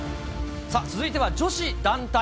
続いては女子団体。